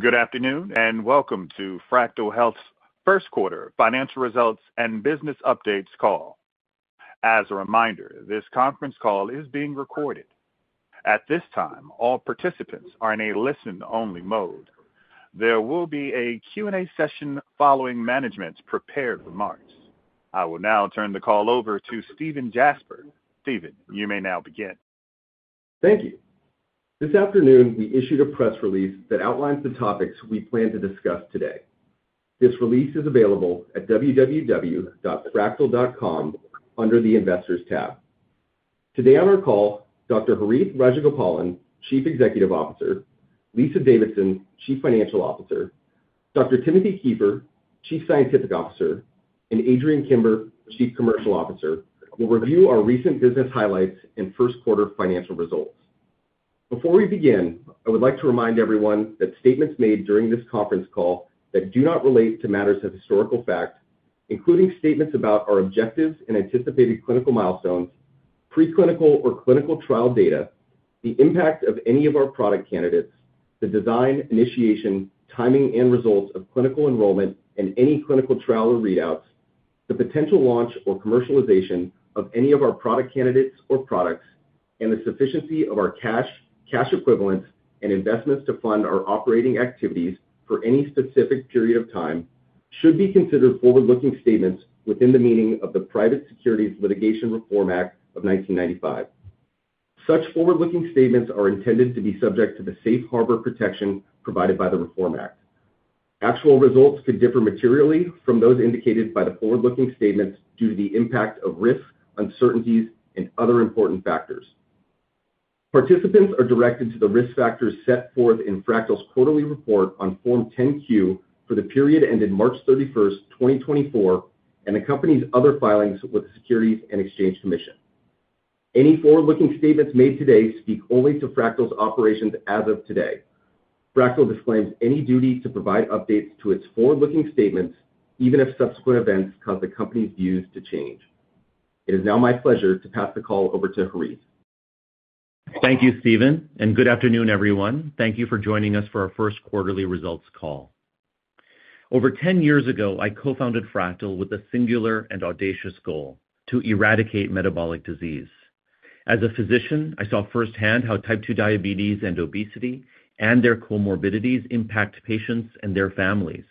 Good afternoon, and welcome to Fractyl Health's first quarter financial results and business updates call. As a reminder, this conference call is being recorded. At this time, all participants are in a listen-only mode. There will be a Q&A session following management's prepared remarks. I will now turn the call over to Stephen Jasper. Stephen, you may now begin. Thank you. This afternoon, we issued a press release that outlines the topics we plan to discuss today. This release is available at www.fractyl.com under the Investors tab. Today on our call, Dr. Harith Rajagopalan, Chief Executive Officer, Lisa Davidson, Chief Financial Officer, Dr. Timothy Kieffer, Chief Scientific Officer, and Adrian Kimber, Chief Commercial Officer, will review our recent business highlights and first quarter financial results. Before we begin, I would like to remind everyone that statements made during this conference call that do not relate to matters of historical fact, including statements about our objectives and anticipated clinical milestones, preclinical or clinical trial data, the impact of any of our product candidates, the design, initiation, timing, and results of clinical enrollment and any clinical trial or readouts, the potential launch or commercialization of any of our product candidates or products, and the sufficiency of our cash, cash equivalents, and investments to fund our operating activities for any specific period of time, should be considered forward-looking statements within the meaning of the Private Securities Litigation Reform Act of 1995. Such forward-looking statements are intended to be subject to the safe harbor protection provided by the Reform Act. Actual results could differ materially from those indicated by the forward-looking statements due to the impact of risks, uncertainties, and other important factors. Participants are directed to the risk factors set forth in Fractyl's quarterly report on Form 10-Q for the period ended March 31, 2024, and the company's other filings with the Securities and Exchange Commission. Any forward-looking statements made today speak only to Fractyl's operations as of today. Fractyl disclaims any duty to provide updates to its forward-looking statements, even if subsequent events cause the company's views to change. It is now my pleasure to pass the call over to Harith. Thank you, Stephen, and good afternoon, everyone. Thank you for joining us for our first quarterly results call. Over 10 years ago, I co-founded Fractyl with a singular and audacious goal: to eradicate metabolic disease. As a physician, I saw firsthand how type 2 diabetes and obesity and their comorbidities impact patients and their families.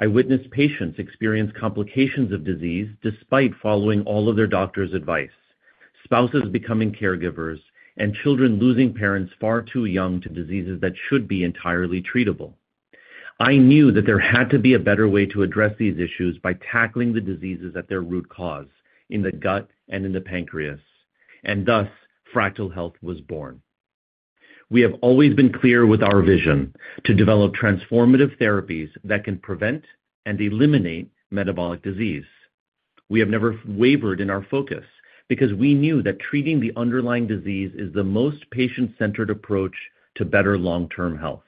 I witnessed patients experience complications of disease despite following all of their doctor's advice, spouses becoming caregivers, and children losing parents far too young to diseases that should be entirely treatable. I knew that there had to be a better way to address these issues by tackling the diseases at their root cause, in the gut and in the pancreas, and thus Fractyl Health was born. We have always been clear with our vision to develop transformative therapies that can prevent and eliminate metabolic disease. We have never wavered in our focus because we knew that treating the underlying disease is the most patient-centered approach to better long-term health.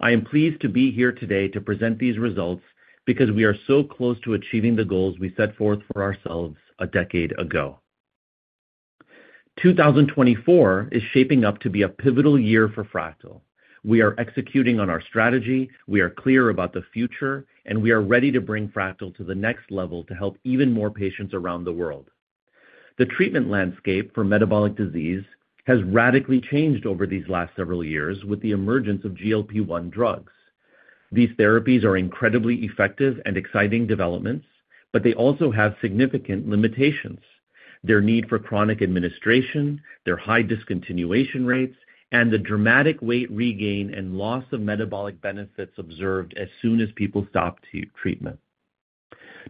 I am pleased to be here today to present these results because we are so close to achieving the goals we set forth for ourselves a decade ago. 2024 is shaping up to be a pivotal year for Fractyl. We are executing on our strategy, we are clear about the future, and we are ready to bring Fractyl to the next level to help even more patients around the world. The treatment landscape for metabolic disease has radically changed over these last several years with the emergence of GLP-1 drugs. These therapies are incredibly effective and exciting developments, but they also have significant limitations: their need for chronic administration, their high discontinuation rates, and the dramatic weight regain and loss of metabolic benefits observed as soon as people stop treatment.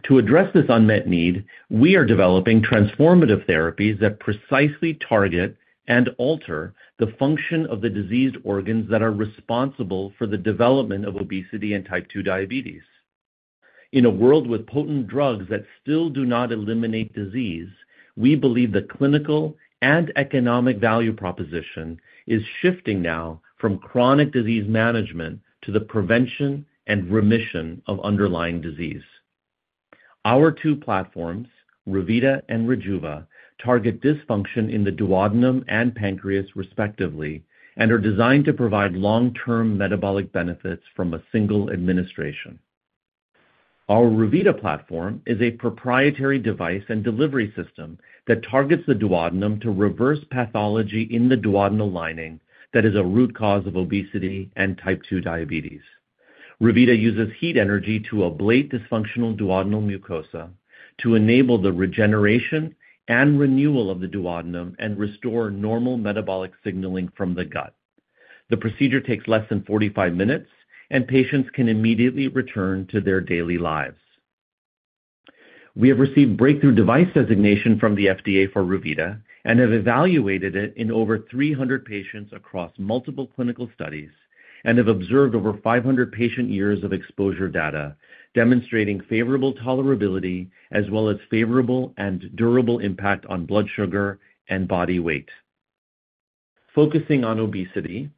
To address this unmet need, we are developing transformative therapies that precisely target and alter the function of the diseased organs that are responsible for the development of obesity and type 2 diabetes. In a world with potent drugs that still do not eliminate disease, we believe the clinical and economic value proposition is shifting now from chronic disease management to the prevention and remission of underlying disease. Our two platforms, Revita and Rejuva, target dysfunction in the duodenum and pancreas, respectively, and are designed to provide long-term metabolic benefits from a single administration. Our Revita platform is a proprietary device and delivery system that targets the duodenum to reverse pathology in the duodenal lining that is a root cause of obesity and type 2 diabetes. Revita uses heat energy to ablate dysfunctional duodenal mucosa to enable the regeneration and renewal of the duodenum and restore normal metabolic signaling from the gut. The procedure takes less than 45 minutes, and patients can immediately return to their daily lives. We have received breakthrough device designation from the FDA for Revita and have evaluated it in over 300 patients across multiple clinical studies and have observed over 500 patient years of exposure data, demonstrating favorable tolerability as well as favorable and durable impact on blood sugar and body weight. Focusing on obesity,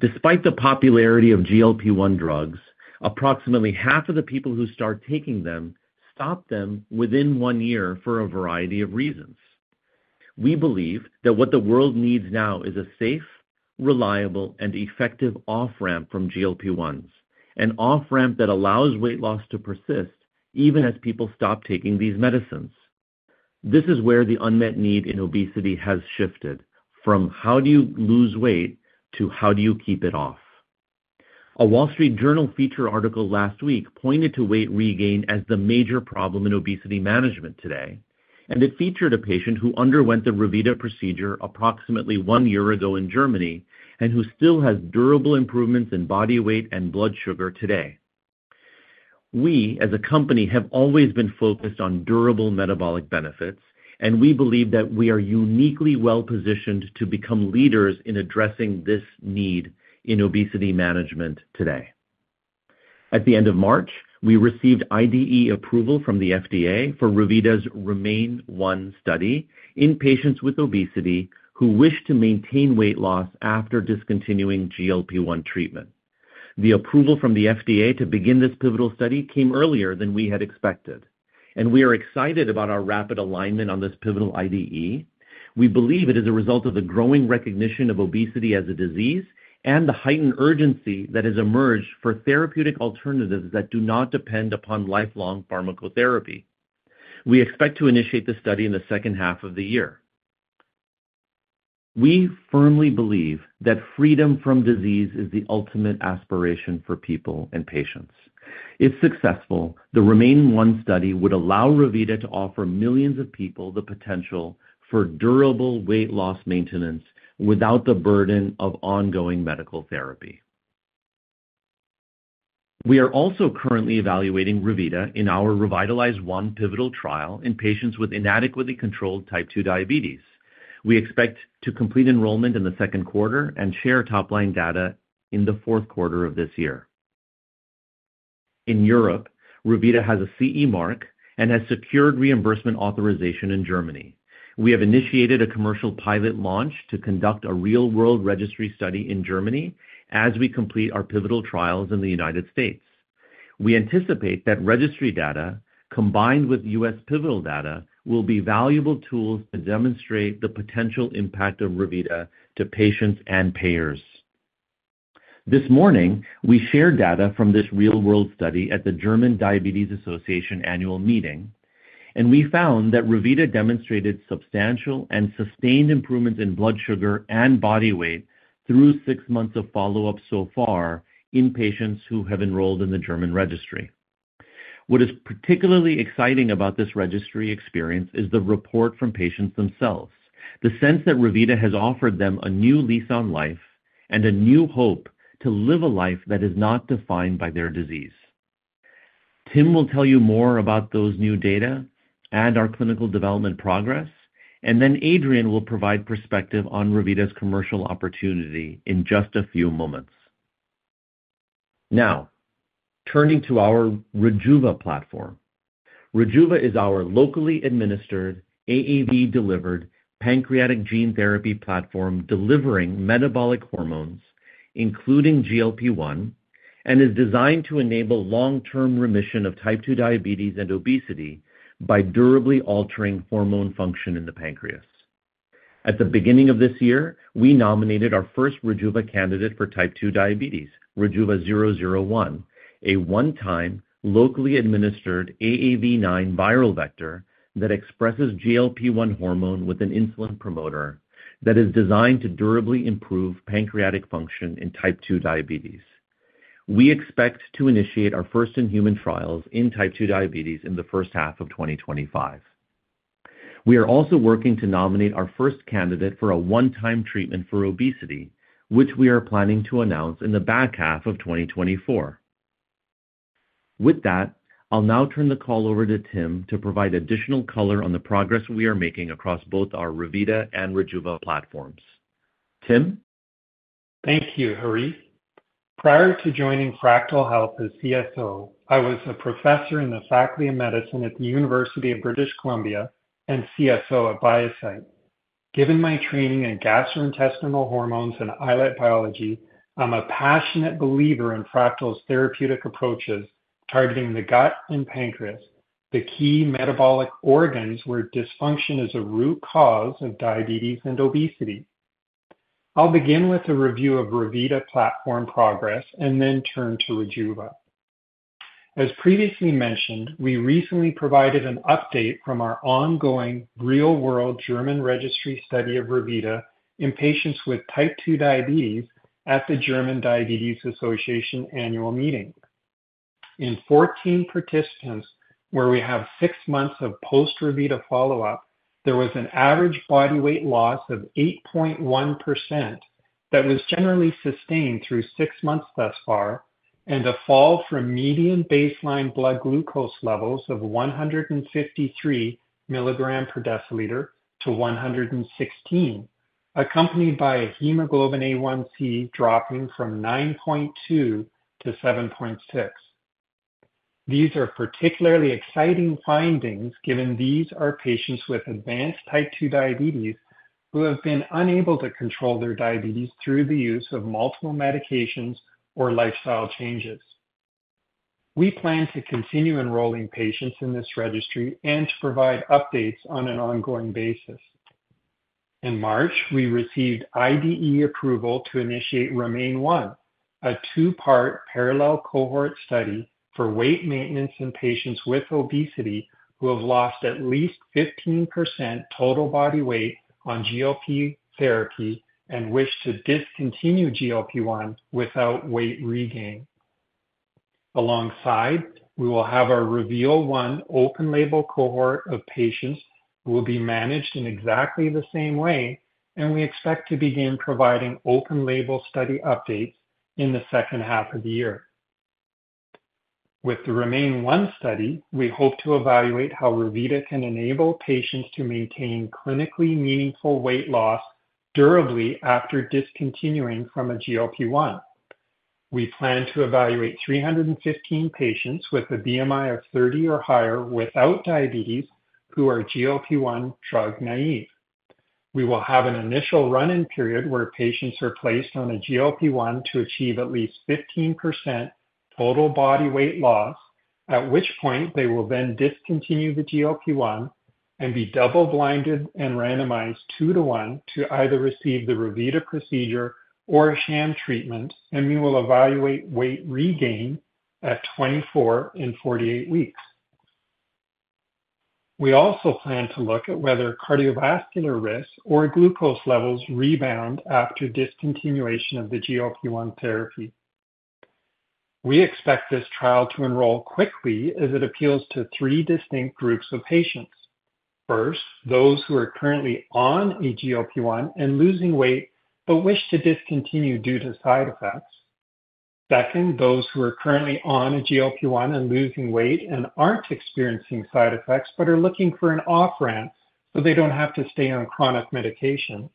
despite the popularity of GLP-1 drugs, approximately half of the people who start taking them stop them within 1 year for a variety of reasons.... We believe that what the world needs now is a safe, reliable, and effective off-ramp from GLP-1s, an off-ramp that allows weight loss to persist even as people stop taking these medicines. This is where the unmet need in obesity has shifted, from how do you lose weight to how do you keep it off? The Wall Street Journal feature article last week pointed to weight regain as the major problem in obesity management today, and it featured a patient who underwent the Revita procedure approximately 1 year ago in Germany, and who still has durable improvements in body weight and blood sugar today. We, as a company, have always been focused on durable metabolic benefits, and we believe that we are uniquely well-positioned to become leaders in addressing this need in obesity management today. At the end of March, we received IDE approval from the FDA for Revita's Remain-1 study in patients with obesity who wish to maintain weight loss after discontinuing GLP-1 treatment. The approval from the FDA to begin this pivotal study came earlier than we had expected, and we are excited about our rapid alignment on this pivotal IDE. We believe it is a result of the growing recognition of obesity as a disease and the heightened urgency that has emerged for therapeutic alternatives that do not depend upon lifelong pharmacotherapy. We expect to initiate the study in the second half of the year. We firmly believe that freedom from disease is the ultimate aspiration for people and patients. If successful, the Remain-1 study would allow Revita to offer millions of people the potential for durable weight loss maintenance without the burden of ongoing medical therapy. We are also currently evaluating Revita in our Revitalize-1 pivotal trial in patients with inadequately controlled type 2 diabetes. We expect to complete enrollment in the second quarter and share top-line data in the fourth quarter of this year. In Europe, Revita has a CE mark and has secured reimbursement authorization in Germany. We have initiated a commercial pilot launch to conduct a real-world registry study in Germany as we complete our pivotal trials in the United States. We anticipate that registry data, combined with U.S. pivotal data, will be valuable tools to demonstrate the potential impact of Revita to patients and payers. This morning, we shared data from this real-world study at the German Diabetes Association annual meeting, and we found that Revita demonstrated substantial and sustained improvements in blood sugar and body weight through six months of follow-up so far in patients who have enrolled in the German registry. What is particularly exciting about this registry experience is the report from patients themselves. The sense that Revita has offered them a new lease on life and a new hope to live a life that is not defined by their disease. Tim will tell you more about those new data and our clinical development progress, and then Adrian will provide perspective on Revita's commercial opportunity in just a few moments. Now, turning to our Rejuva platform. Rejuva is our locally administered, AAV-delivered pancreatic gene therapy platform, delivering metabolic hormones, including GLP-1, and is designed to enable long-term remission of type 2 diabetes and obesity by durably altering hormone function in the pancreas. At the beginning of this year, we nominated our first Rejuva candidate for type 2 diabetes, RJVA-001, a one-time, locally administered AAV9 viral vector that expresses GLP-1 hormone with an insulin promoter that is designed to durably improve pancreatic function in type 2 diabetes. We expect to initiate our first in-human trials in type 2 diabetes in the first half of 2025. We are also working to nominate our first candidate for a one-time treatment for obesity, which we are planning to announce in the back half of 2024. With that, I'll now turn the call over to Tim to provide additional color on the progress we are making across both our Revita and Rejuva platforms. Tim? Thank you, Harith. Prior to joining Fractyl Health as CSO, I was a professor in the Faculty of Medicine at the University of British Columbia and CSO at ViaCyte. Given my training in gastrointestinal hormones and islet biology, I'm a passionate believer in Fractyl's therapeutic approaches, targeting the gut and pancreas, the key metabolic organs where dysfunction is a root cause of diabetes and obesity. I'll begin with a review of Revita platform progress and then turn to Rejuva. As previously mentioned, we recently provided an update from our ongoing real-world German registry study of Revita in patients with type 2 diabetes at the German Diabetes Association annual meeting. In 14 participants, where we have six months of post-Revita follow-up, there was an average body weight loss of 8.1% that was generally sustained through six months thus far, and a fall from median baseline blood glucose levels of 153 milligrams per deciliter to 116, accompanied by a hemoglobin A1c dropping from 9.2 to 7.6. These are particularly exciting findings, given these are patients with advanced type 2 diabetes who have been unable to control their diabetes through the use of multiple medications or lifestyle changes. We plan to continue enrolling patients in this registry and to provide updates on an ongoing basis. In March, we received IDE approval to initiate Remain-1, a two-part parallel cohort study for weight maintenance in patients with obesity who have lost at least 15% total body weight on GLP-1 therapy and wish to discontinue GLP-1 without weight regain. Alongside, we will have our Reveal-1 open label cohort of patients, who will be managed in exactly the same way, and we expect to begin providing open label study updates in the second half of the year. With the Remain-1 study, we hope to evaluate how Revita can enable patients to maintain clinically meaningful weight loss durably after discontinuing from a GLP-1. We plan to evaluate 315 patients with a BMI of 30 or higher without diabetes, who are GLP-1 drug naive. We will have an initial run-in period where patients are placed on a GLP-1 to achieve at least 15% total body weight loss, at which point they will then discontinue the GLP-1 and be double-blinded and randomized 2-to-1 to either receive the Revita procedure or a sham treatment, and we will evaluate weight regain at 24 and 48 weeks. We also plan to look at whether cardiovascular risks or glucose levels rebound after discontinuation of the GLP-1 therapy. We expect this trial to enroll quickly as it appeals to three distinct groups of patients. First, those who are currently on a GLP-1 and losing weight, but wish to discontinue due to side effects. Second, those who are currently on a GLP-1 and losing weight and aren't experiencing side effects, but are looking for an off-ramp, so they don't have to stay on chronic medication.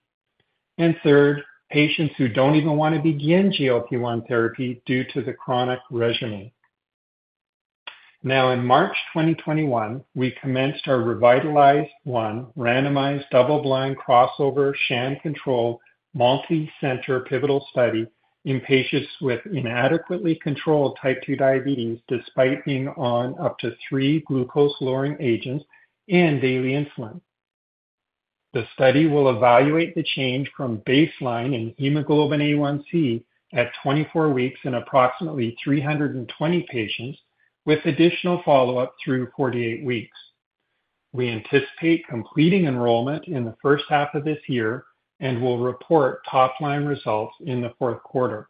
And third, patients who don't even want to begin GLP-1 therapy due to the chronic regimen. Now, in March 2021, we commenced our Revitalize-1 randomized double-blind crossover sham control multicenter pivotal study in patients with inadequately controlled Type 2 diabetes, despite being on up to three glucose-lowering agents and daily insulin. The study will evaluate the change from baseline in HbA1c at 24 weeks in approximately 320 patients with additional follow-up through 48 weeks. We anticipate completing enrollment in the first half of this year and will report top-line results in the fourth quarter.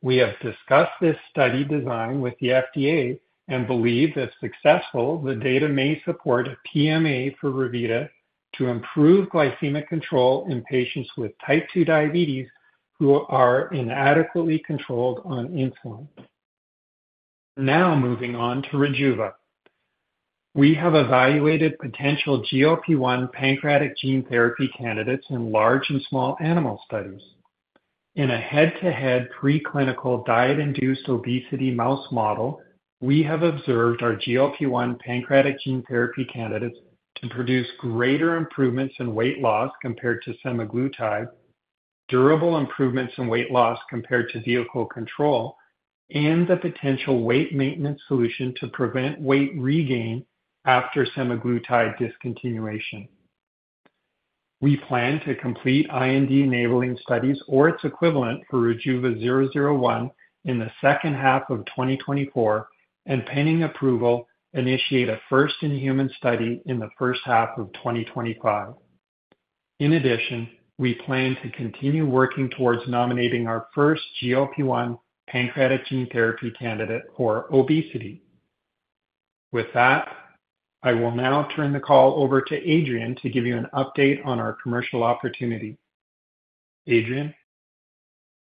We have discussed this study design with the FDA and believe, if successful, the data may support a PMA for Revita to improve glycemic control in patients with Type 2 diabetes who are inadequately controlled on insulin. Now, moving on to Rejuva. We have evaluated potential GLP-1 pancreatic gene therapy candidates in large and small animal studies. In a head-to-head preclinical diet-induced obesity mouse model, we have observed our GLP-1 pancreatic gene therapy candidates to produce greater improvements in weight loss compared to semaglutide, durable improvements in weight loss compared to vehicle control, and the potential weight maintenance solution to prevent weight regain after semaglutide discontinuation. We plan to complete IND-enabling studies or its equivalent for RJVA-001 in the second half of 2024, and pending approval, initiate a first-in-human study in the first half of 2025. In addition, we plan to continue working towards nominating our first GLP-1 pancreatic gene therapy candidate for obesity. With that, I will now turn the call over to Adrian to give you an update on our commercial opportunity. Adrian?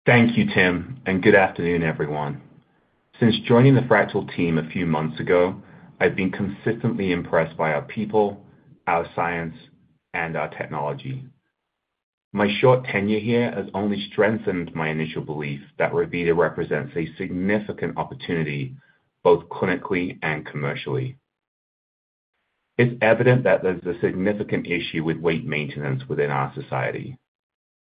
Thank you, Tim, and good afternoon, everyone. Since joining the Fractyl team a few months ago, I've been consistently impressed by our people, our science, and our technology. My short tenure here has only strengthened my initial belief that Revita represents a significant opportunity, both clinically and commercially. It's evident that there's a significant issue with weight maintenance within our society.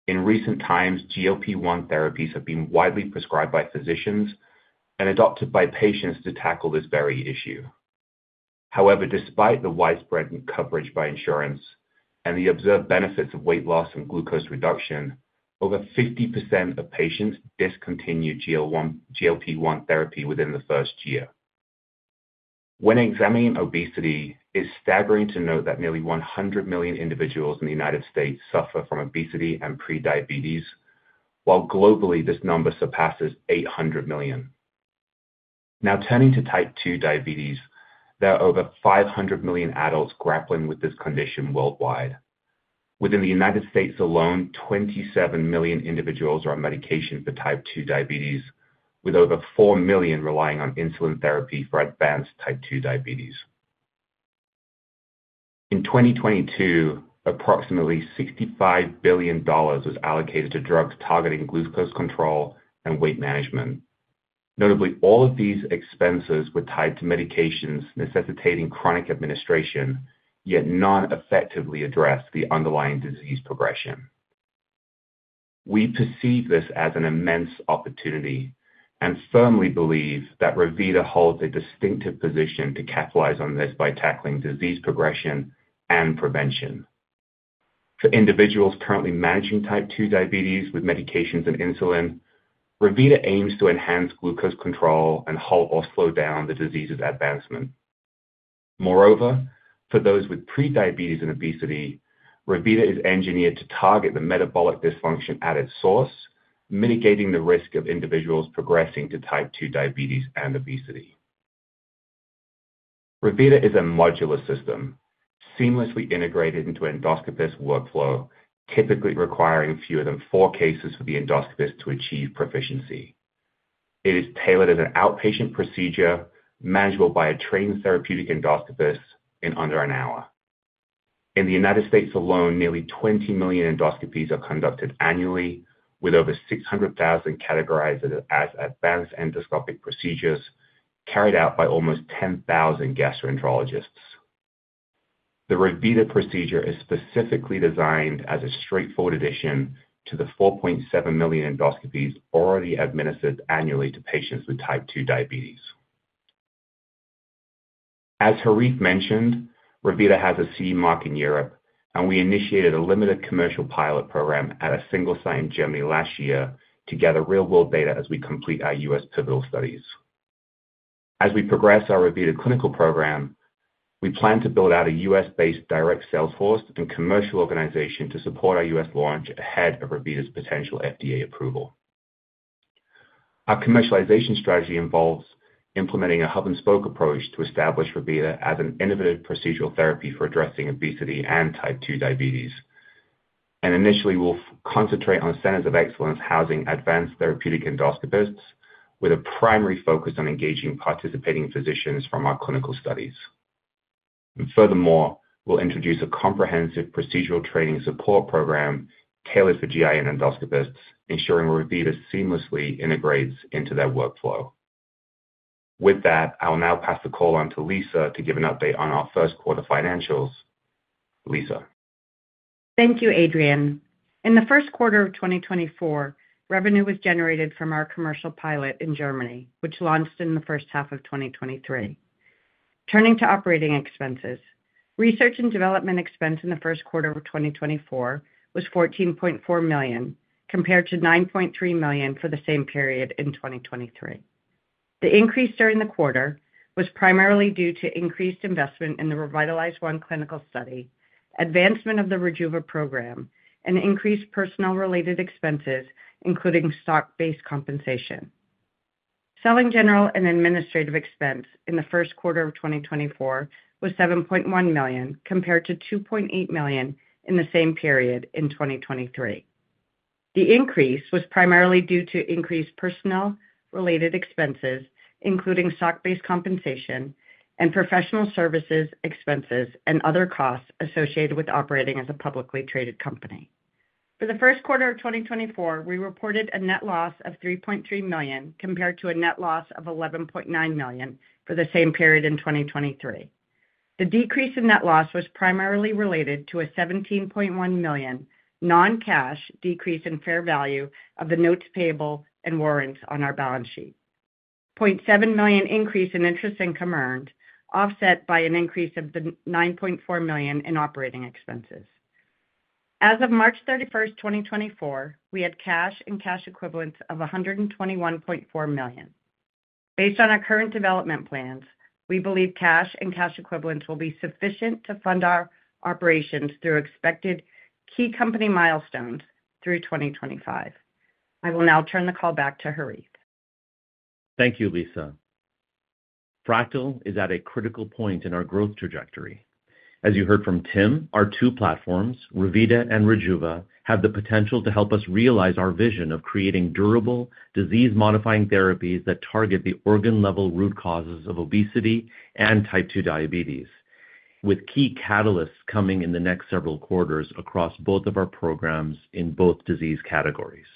In recent times, GLP-1 therapies have been widely prescribed by physicians and adopted by patients to tackle this very issue. However, despite the widespread coverage by insurance and the observed benefits of weight loss and glucose reduction, over 50% of patients discontinue GLP-1 therapy within the first year. When examining obesity, it's staggering to note that nearly 100 million individuals in the United States suffer from obesity and prediabetes, while globally, this number surpasses 800 million. Now, turning to type 2 diabetes, there are over 500 million adults grappling with this condition worldwide. Within the United States alone, 27 million individuals are on medication for type 2 diabetes, with over 4 million relying on insulin therapy for advanced type 2 diabetes. In 2022, approximately $65 billion was allocated to drugs targeting glucose control and weight management. Notably, all of these expenses were tied to medications necessitating chronic administration, yet none effectively addressed the underlying disease progression.... We perceive this as an immense opportunity, and firmly believe that Revita holds a distinctive position to capitalize on this by tackling disease progression and prevention. For individuals currently managing type 2 diabetes with medications and insulin, Revita aims to enhance glucose control and halt or slow down the disease's advancement. Moreover, for those with pre-diabetes and obesity, Revita is engineered to target the metabolic dysfunction at its source, mitigating the risk of individuals progressing to type 2 diabetes and obesity. Revita is a modular system, seamlessly integrated into endoscopist workflow, typically requiring fewer than 4 cases for the endoscopist to achieve proficiency. It is tailored as an outpatient procedure, manageable by a trained therapeutic endoscopist in under an hour. In the United States alone, nearly 20 million endoscopies are conducted annually, with over 600,000 categorized as advanced endoscopic procedures, carried out by almost 10,000 gastroenterologists. The Revita procedure is specifically designed as a straightforward addition to the 4.7 million endoscopies already administered annually to patients with type 2 diabetes. As Harith mentioned, Revita has a CE mark in Europe, and we initiated a limited commercial pilot program at a single site in Germany last year to gather real-world data as we complete our U.S. pivotal studies. As we progress our Revita clinical program, we plan to build out a U.S.-based direct sales force and commercial organization to support our U.S. launch ahead of Revita's potential FDA approval. Our commercialization strategy involves implementing a hub-and-spoke approach to establish Revita as an innovative procedural therapy for addressing obesity and type 2 diabetes. Initially, we'll concentrate on centers of excellence, housing advanced therapeutic endoscopists, with a primary focus on engaging participating physicians from our clinical studies. Furthermore, we'll introduce a comprehensive procedural training support program tailored for GI and endoscopists, ensuring Revita seamlessly integrates into their workflow. With that, I'll now pass the call on to Lisa to give an update on our first quarter financials. Lisa? Thank you, Adrian. In the first quarter of 2024, revenue was generated from our commercial pilot in Germany, which launched in the first half of 2023. Turning to operating expenses, research and development expense in the first quarter of 2024 was $14.4 million, compared to $9.3 million for the same period in 2023. The increase during the quarter was primarily due to increased investment in the Revitalize-1 clinical study, advancement of the Rejuva program, and increased personnel-related expenses, including stock-based compensation. Selling, general, and administrative expense in the first quarter of 2024 was $7.1 million, compared to $2.8 million in the same period in 2023. The increase was primarily due to increased personnel-related expenses, including stock-based compensation and professional services expenses, and other costs associated with operating as a publicly traded company. For the first quarter of 2024, we reported a net loss of $3.3 million, compared to a net loss of $11.9 million for the same period in 2023. The decrease in net loss was primarily related to a $17.1 million non-cash decrease in fair value of the notes payable and warrants on our balance sheet. $0.7 million increase in interest income earned, offset by an increase of $9.4 million in operating expenses. As of March 31, 2024, we had cash and cash equivalents of $121.4 million. Based on our current development plans, we believe cash and cash equivalents will be sufficient to fund our operations through expected key company milestones through 2025. I will now turn the call back to Harith. Thank you, Lisa. Fractyl is at a critical point in our growth trajectory. As you heard from Tim, our two platforms, Revita and Rejuva, have the potential to help us realize our vision of creating durable, disease-modifying therapies that target the organ-level root causes of obesity and type 2 diabetes, with key catalysts coming in the next several quarters across both of our programs in both disease categories.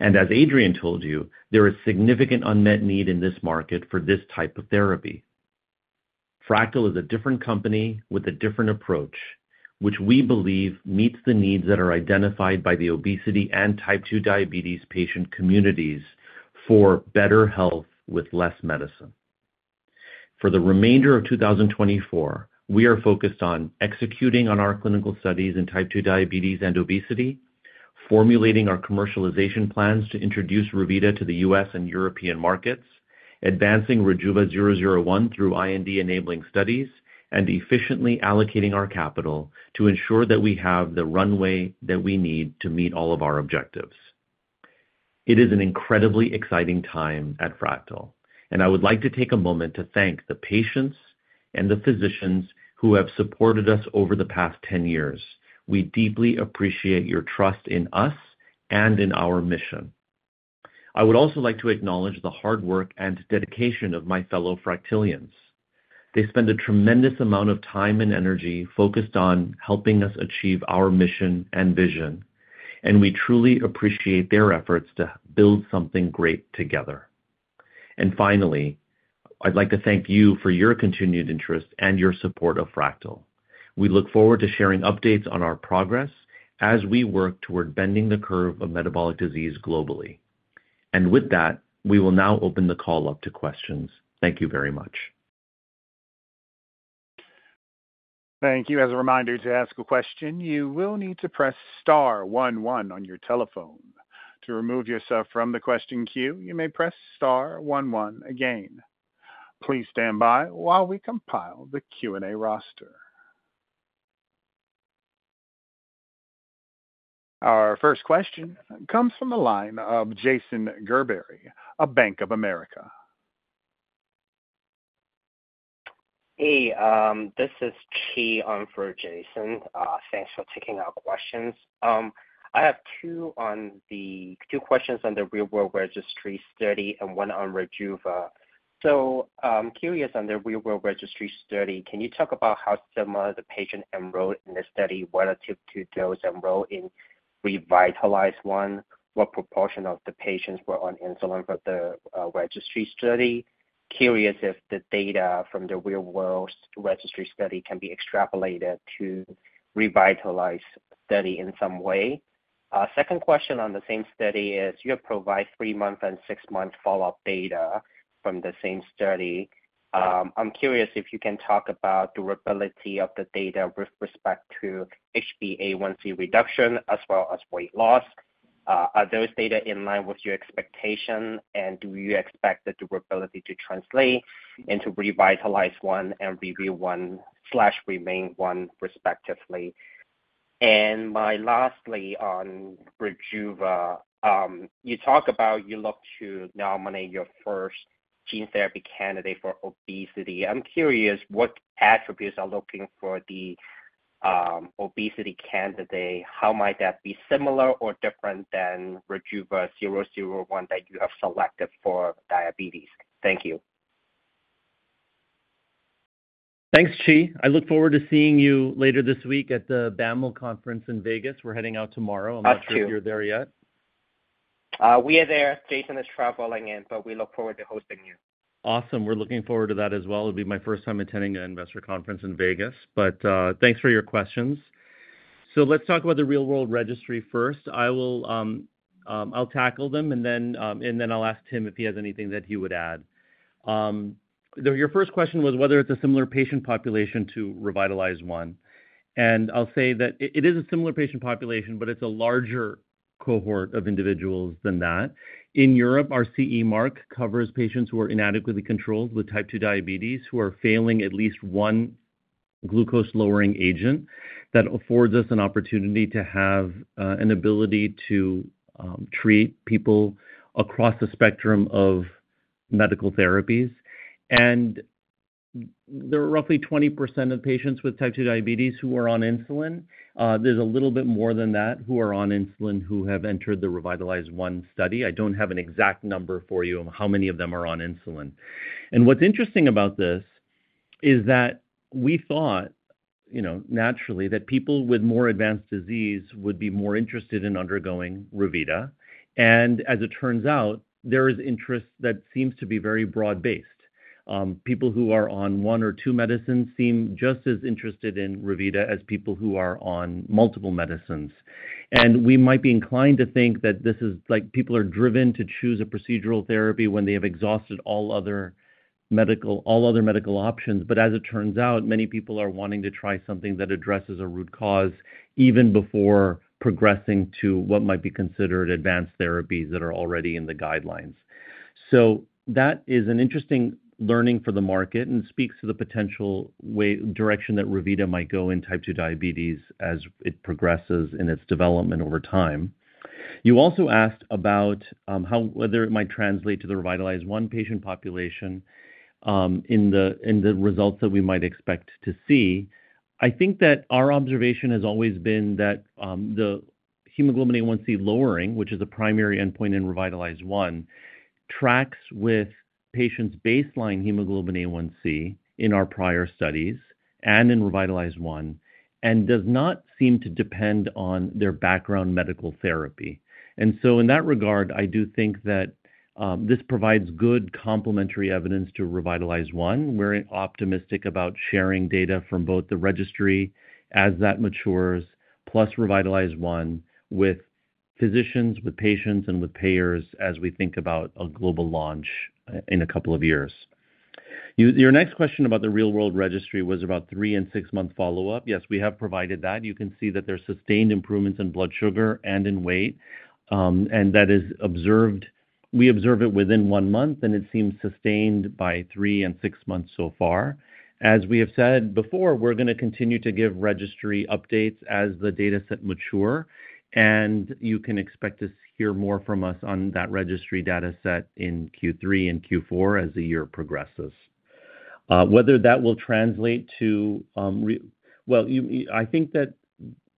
And as Adrian told you, there is significant unmet need in this market for this type of therapy. Fractyl is a different company with a different approach, which we believe meets the needs that are identified by the obesity and type 2 diabetes patient communities for better health with less medicine. For the remainder of 2024, we are focused on executing on our clinical studies in type two diabetes and obesity, formulating our commercialization plans to introduce Revita to the U.S. and European markets, advancing RJVA-001 through IND-enabling studies, and efficiently allocating our capital to ensure that we have the runway that we need to meet all of our objectives. It is an incredibly exciting time at Fractyl, and I would like to take a moment to thank the patients and the physicians who have supported us over the past 10 years. We deeply appreciate your trust in us and in our mission. I would also like to acknowledge the hard work and dedication of my fellow Fractylians. They spend a tremendous amount of time and energy focused on helping us achieve our mission and vision, and we truly appreciate their efforts to build something great together.... Finally, I'd like to thank you for your continued interest and your support of Fractyl. We look forward to sharing updates on our progress as we work toward bending the curve of metabolic disease globally. And with that, we will now open the call up to questions. Thank you very much. Thank you. As a reminder, to ask a question, you will need to press star one one on your telephone. To remove yourself from the question queue, you may press star one one again. Please stand by while we compile the Q&A roster. Our first question comes from the line of Jason Gerberry, of Bank of America. Hey, this is Chi in for Jason. Thanks for taking our questions. I have two questions on the Real-World Registry study and one on Rejuva. So, curious, on the Real-World Registry study, can you talk about how similar the patient enrolled in the study relative to those enrolled in Revitalize-1? What proportion of the patients were on insulin for the registry study? Curious if the data from the Real-World Registry study can be extrapolated to Revitalize-1 study in some way. Second question on the same study is, you have provided 3-month and 6-month follow-up data from the same study. I'm curious if you can talk about durability of the data with respect to HbA1c reduction as well as weight loss. Are those data in line with your expectation, and do you expect the durability to translate into Revitalize-1 and Remain-1, respectively? And lastly, on Rejuva, you talk about you look to nominate your first gene therapy candidate for obesity. I'm curious, what attributes are looking for the obesity candidate? How might that be similar or different than RJVA-001 that you have selected for diabetes? Thank you. Thanks, Chi. I look forward to seeing you later this week at the BAML conference in Vegas. We're heading out tomorrow. Us, too. I'm not sure if you're there yet. We are there. Jason is traveling in, but we look forward to hosting you. Awesome. We're looking forward to that as well. It'll be my first time attending an investor conference in Vegas. Thanks for your questions. Let's talk about the real-world registry first. I'll tackle them, and then I'll ask Tim if he has anything that he would add. Your first question was whether it's a similar patient population to Revitalize-1, and I'll say that it is a similar patient population, but it's a larger cohort of individuals than that. In Europe, our CE mark covers patients who are inadequately controlled with type 2 diabetes, who are failing at least one glucose-lowering agent. That affords us an opportunity to have an ability to treat people across the spectrum of medical therapies. There are roughly 20% of patients with type 2 diabetes who are on insulin. There's a little bit more than that, who are on insulin, who have entered the Revitalize-1 study. I don't have an exact number for you on how many of them are on insulin. What's interesting about this is that we thought, you know, naturally, that people with more advanced disease would be more interested in undergoing Revita. And as it turns out, there is interest that seems to be very broad-based. People who are on one or two medicines seem just as interested in Revita as people who are on multiple medicines. And we might be inclined to think that this is like people are driven to choose a procedural therapy when they have exhausted all other medical, all other medical options. As it turns out, many people are wanting to try something that addresses a root cause, even before progressing to what might be considered advanced therapies that are already in the guidelines. That is an interesting learning for the market and speaks to the potential way direction that Revita might go in type 2 diabetes as it progresses in its development over time. You also asked about how whether it might translate to the Revitalize-1 patient population, in the results that we might expect to see. I think that our observation has always been that the hemoglobin A1c lowering, which is a primary endpoint in Revitalize-1, tracks with patients' baseline hemoglobin A1c in our prior studies and in Revitalize-1, and does not seem to depend on their background medical therapy. In that regard, I do think that this provides good complementary evidence to Revitalize-1. We're optimistic about sharing data from both the registry as that matures, plus Revitalize-1 with physicians, with patients, and with payers as we think about a global launch in a couple of years. Your next question about the Real-World Registry was about three and six-month follow-up. Yes, we have provided that. You can see that there's sustained improvements in blood sugar and in weight, and that is observed. We observe it within one month, and it seems sustained by three and six months so far. As we have said before, we're going to continue to give registry updates as the dataset mature, and you can expect to hear more from us on that registry dataset in Q3 and Q4 as the year progresses. Whether that will translate to. Well, I think that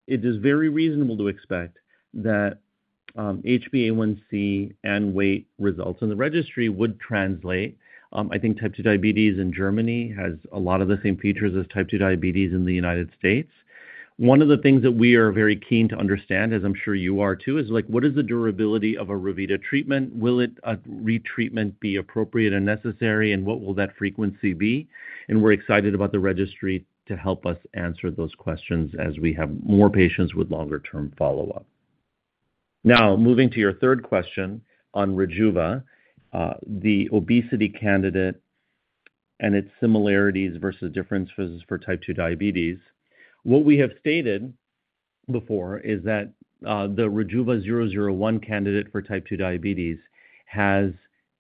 it is very reasonable to expect that HbA1c and weight results in the registry would translate. I think type two diabetes in Germany has a lot of the same features as type two diabetes in the United States. One of the things that we are very keen to understand, as I'm sure you are too, is like, what is the durability of a Revita treatment? Will retreatment be appropriate and necessary, and what will that frequency be? And we're excited about the registry to help us answer those questions as we have more patients with longer term follow-up. Now, moving to your third question on Rejuva, the obesity candidate and its similarities versus differences for type two diabetes. What we have stated before is that, the RJVA-001 candidate for type 2 diabetes has,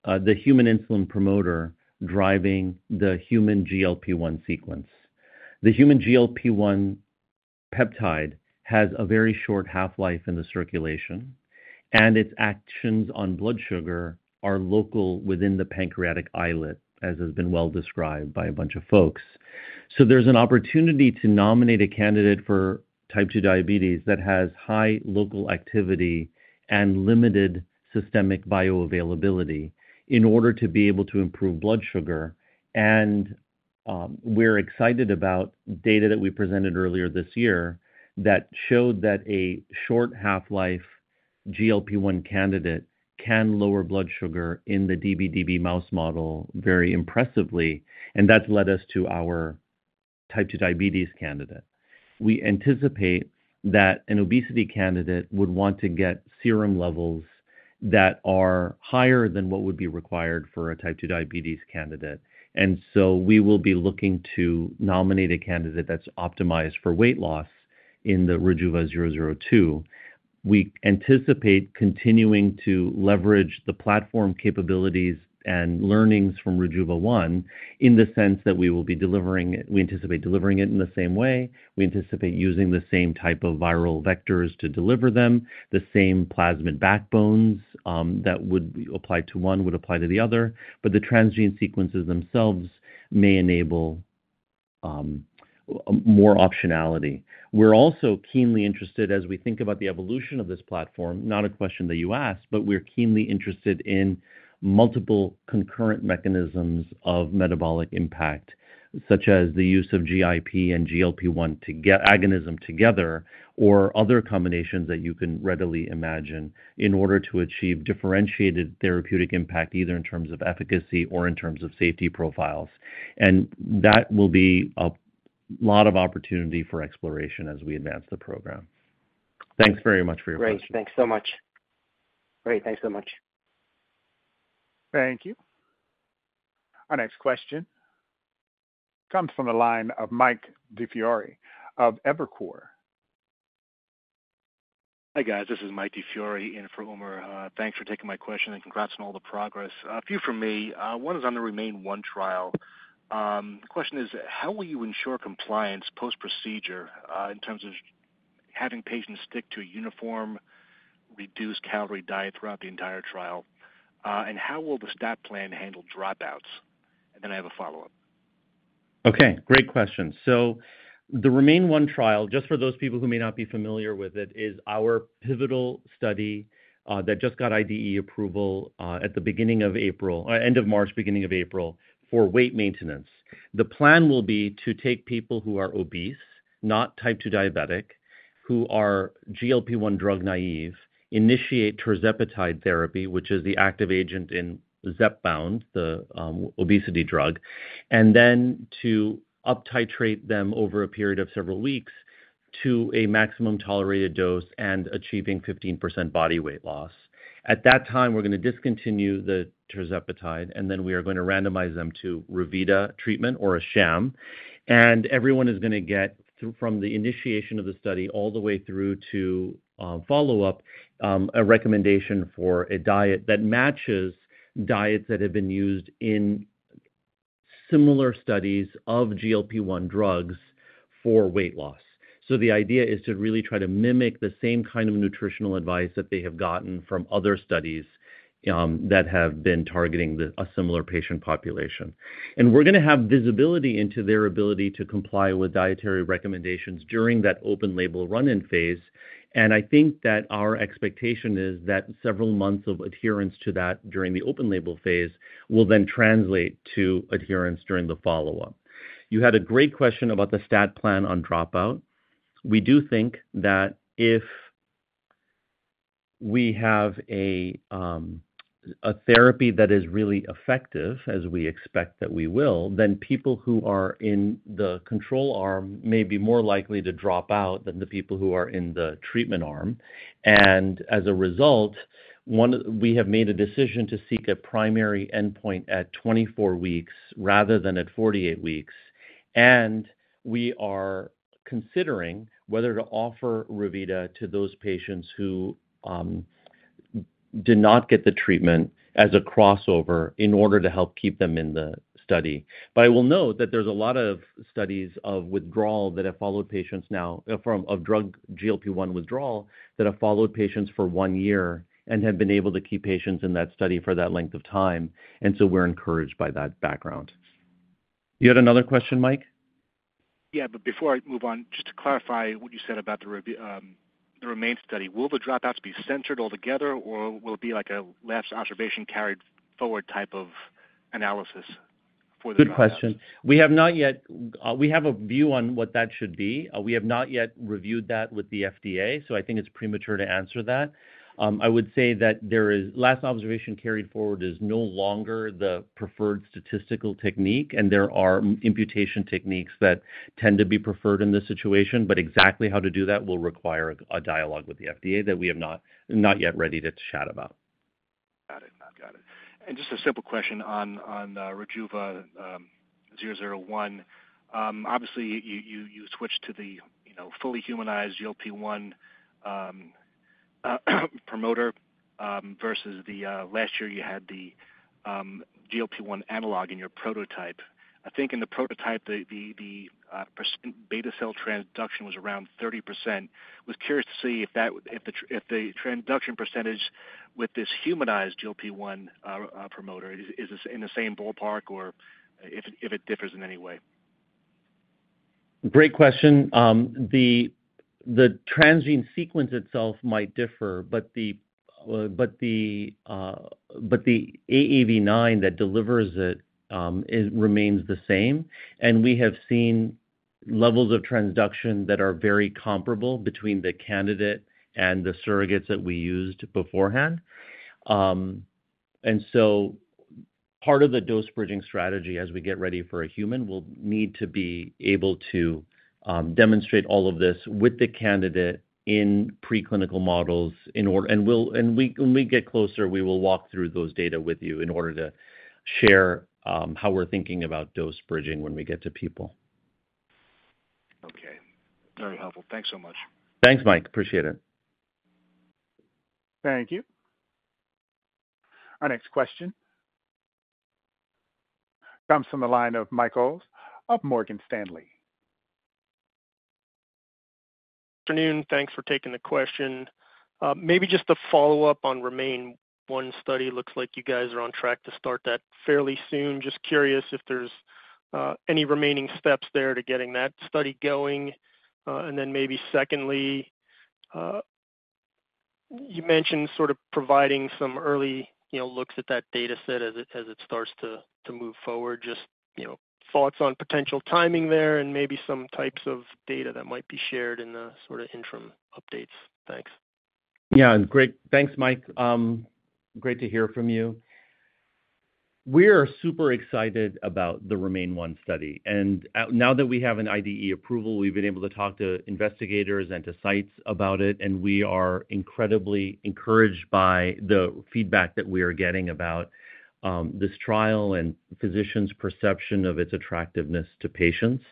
the human insulin promoter driving the human GLP-1 sequence. The human GLP-1 peptide has a very short half-life in the circulation, and its actions on blood sugar are local within the pancreatic islet, as has been well described by a bunch of folks. So there's an opportunity to nominate a candidate for type 2 diabetes that has high local activity and limited systemic bioavailability in order to be able to improve blood sugar. And, we're excited about data that we presented earlier this year that showed that a short half-life GLP-1 candidate can lower blood sugar in the db/db mouse model very impressively, and that's led us to our type 2 diabetes candidate. We anticipate that an obesity candidate would want to get serum levels that are higher than what would be required for a type 2 diabetes candidate. And so we will be looking to nominate a candidate that's optimized for weight loss in the RJVA-002. We anticipate continuing to leverage the platform capabilities and learnings from RJVA-001 in the sense that we will be delivering it... We anticipate delivering it in the same way. We anticipate using the same type of viral vectors to deliver them, the same plasmid backbones, that would apply to one, would apply to the other, but the transgene sequences themselves may enable, more optionality. We're also keenly interested as we think about the evolution of this platform, not a question that you asked, but we're keenly interested in multiple concurrent mechanisms of metabolic impact, such as the use of GIP and GLP-1 to get agonism together, or other combinations that you can readily imagine, in order to achieve differentiated therapeutic impact, either in terms of efficacy or in terms of safety profiles. And that will be a lot of opportunity for exploration as we advance the program. Thanks very much for your question. Great. Thanks so much. Great. Thanks so much. Thank you. Our next question comes from the line of Mike DiFiore of Evercore. Hi, guys. This is Mike DiFiore in for Umar. Thanks for taking my question, and congrats on all the progress. A few from me. One is on the Remain-1 trial. The question is, how will you ensure compliance post-procedure in terms of having patients stick to a uniform, reduced-calorie diet throughout the entire trial? And how will the stat plan handle dropouts? And then I have a follow-up. Okay, great question. So the Remain-1 trial, just for those people who may not be familiar with it, is our pivotal study that just got IDE approval at the beginning of April, end of March, beginning of April, for weight maintenance. The plan will be to take people who are obese, not type 2 diabetic, who are GLP-1 drug naive, initiate tirzepatide therapy, which is the active agent in Zepbound, the obesity drug, and then to up titrate them over a period of several weeks to a maximum tolerated dose and achieving 15% body weight loss. At that time, we're going to discontinue the tirzepatide, and then we are going to randomize them to Revita treatment or a sham, and everyone is going to get, from the initiation of the study all the way through to follow-up, a recommendation for a diet that matches diets that have been used in similar studies of GLP-1 drugs for weight loss. So the idea is to really try to mimic the same kind of nutritional advice that they have gotten from other studies that have been targeting a similar patient population. And we're going to have visibility into their ability to comply with dietary recommendations during that open label run-in phase. And I think that our expectation is that several months of adherence to that during the open label phase will then translate to adherence during the follow-up. You had a great question about the stat plan on dropout. We do think that if we have a therapy that is really effective, as we expect that we will, then people who are in the control arm may be more likely to drop out than the people who are in the treatment arm. And as a result, one, we have made a decision to seek a primary endpoint at 24 weeks rather than at 48 weeks. And we are considering whether to offer Revita to those patients who did not get the treatment as a crossover in order to help keep them in the study. But I will note that there's a lot of studies of withdrawal that have followed patients now, from, of drug GLP-1 withdrawal, that have followed patients for one year and have been able to keep patients in that study for that length of time, and so we're encouraged by that background. You had another question, Mike?... Yeah, but before I move on, just to clarify what you said about the Remain study. Will the dropouts be censored altogether, or will it be like a last observation carried forward type of analysis for the dropouts? Good question. We have not yet. We have a view on what that should be. We have not yet reviewed that with the FDA, so I think it's premature to answer that. I would say that last observation carried forward is no longer the preferred statistical technique, and there are imputation techniques that tend to be preferred in this situation, but exactly how to do that will require a dialogue with the FDA that we have not yet ready to chat about. Got it. Got it. And just a simple question on RJVA-001. Obviously, you switched to the, you know, fully humanized GLP-1 promoter versus the last year you had the GLP-1 analog in your prototype. I think in the prototype, the beta cell transduction was around 30%. Was curious to see if the transduction percentage with this humanized GLP-1 promoter is in the same ballpark or if it differs in any way? Great question. The transgene sequence itself might differ, but the AAV9 that delivers it, it remains the same, and we have seen levels of transduction that are very comparable between the candidate and the surrogates that we used beforehand. And so part of the dose bridging strategy, as we get ready for a human, will need to be able to demonstrate all of this with the candidate in preclinical models, in order... And when we get closer, we will walk through those data with you in order to share how we're thinking about dose bridging when we get to people. Okay. Very helpful. Thanks so much. Thanks, Mike. Appreciate it. Thank you. Our next question comes from the line of Mike Ulz of Morgan Stanley. Afternoon. Thanks for taking the question. Maybe just to follow up on Remain-1 study. Looks like you guys are on track to start that fairly soon. Just curious if there's any remaining steps there to getting that study going. And then maybe secondly, you mentioned sort of providing some early, you know, looks at that data set as it starts to move forward. Just, you know, thoughts on potential timing there and maybe some types of data that might be shared in the sort of interim updates. Thanks. Yeah, great. Thanks, Mike. Great to hear from you. We are super excited about the Remain-1 study, and now that we have an IDE approval, we've been able to talk to investigators and to sites about it, and we are incredibly encouraged by the feedback that we are getting about this trial and physicians' perception of its attractiveness to patients.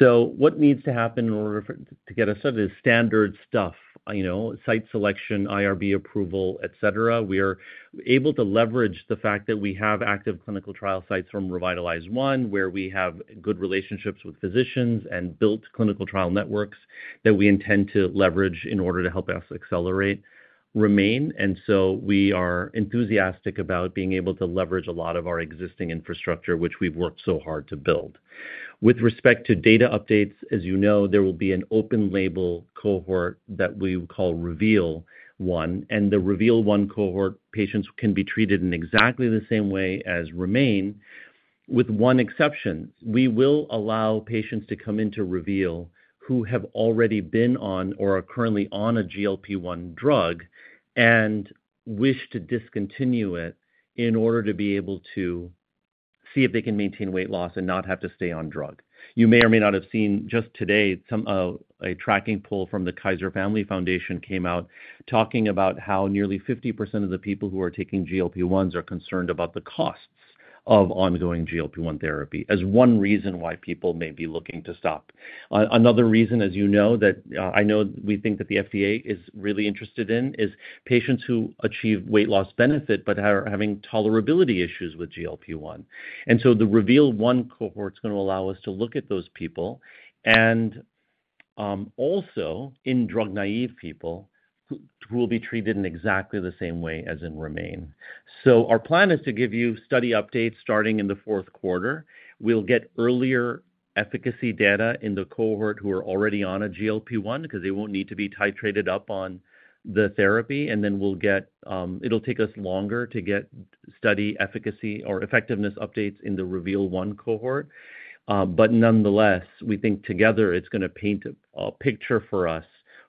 So what needs to happen in order for... to get us up is standard stuff, you know, site selection, IRB approval, et cetera. We are able to leverage the fact that we have active clinical trial sites from Revitalize-1, where we have good relationships with physicians and built clinical trial networks that we intend to leverage in order to help us accelerate, Remain. We are enthusiastic about being able to leverage a lot of our existing infrastructure, which we've worked so hard to build. With respect to data updates, as you know, there will be an open-label cohort that we call Reveal-1, and the Reveal-1 cohort patients can be treated in exactly the same way as Remain-1, with one exception. We will allow patients to come into Reveal-1 who have already been on or are currently on a GLP-1 drug and wish to discontinue it in order to be able to see if they can maintain weight loss and not have to stay on drug. You may or may not have seen just today, some, a tracking poll from the Kaiser Family Foundation came out talking about how nearly 50% of the people who are taking GLP-1s are concerned about the costs of ongoing GLP-1 therapy, as one reason why people may be looking to stop. Another reason, as you know, that I know we think that the FDA is really interested in, is patients who achieve weight loss benefit but are having tolerability issues with GLP-1. And so the Reveal-1 cohort is gonna allow us to look at those people and also in drug-naive people, who will be treated in exactly the same way as in Remain. So our plan is to give you study updates starting in the fourth quarter. We'll get earlier efficacy data in the cohort who are already on a GLP-1, because they won't need to be titrated up on the therapy, and then we'll get... it'll take us longer to get study efficacy or effectiveness updates in the Reveal-1 cohort. But nonetheless, we think together it's gonna paint a picture for us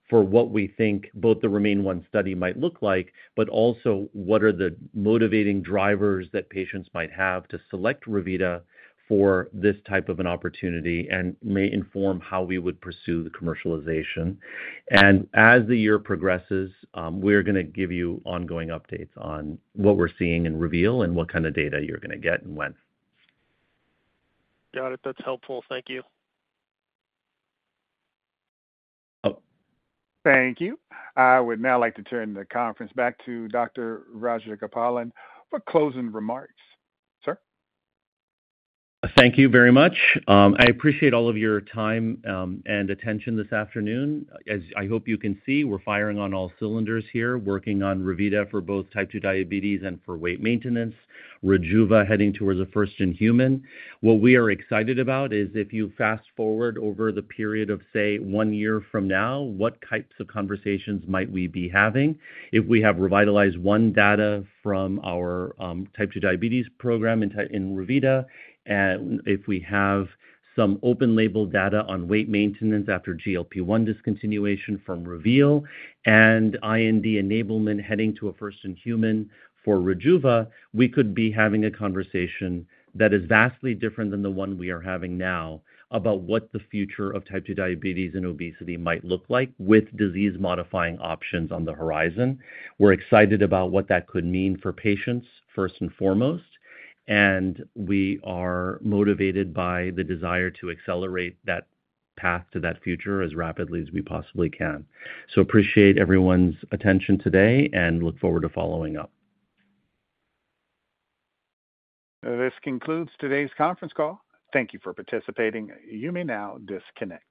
for what we think both the Remain-1 study might look like, but also what are the motivating drivers that patients might have to select Revita for this type of an opportunity, and may inform how we would pursue the commercialization. As the year progresses, we're gonna give you ongoing updates on what we're seeing in Reveal-1 and what kind of data you're gonna get and when. Got it. That's helpful. Thank you. Oh. Thank you. I would now like to turn the conference back to Dr. Rajagopalan for closing remarks. Sir? Thank you very much. I appreciate all of your time and attention this afternoon. As I hope you can see, we're firing on all cylinders here, working on Revita for both type 2 diabetes and for weight maintenance, Rejuva heading towards a first in human. What we are excited about is if you fast-forward over the period of, say, one year from now, what types of conversations might we be having? If we have Revitalize-1 data from our type 2 diabetes program in Revita, if we have some open-label data on weight maintenance after GLP-1 discontinuation from Reveal-1, and IND enablement heading to a first-in-human for Rejuva, we could be having a conversation that is vastly different than the one we are having now about what the future of type 2 diabetes and obesity might look like with disease-modifying options on the horizon. We're excited about what that could mean for patients, first and foremost, and we are motivated by the desire to accelerate that path to that future as rapidly as we possibly can. So appreciate everyone's attention today and look forward to following up. This concludes today's conference call. Thank you for participating. You may now disconnect.